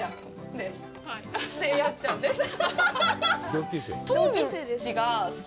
で、やっちゃんです。